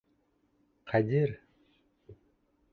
Ҡадир!..